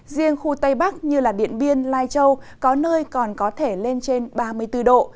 riêng khu tây bắc như điện biên lai châu có nơi còn có thể lên trên ba mươi bốn độ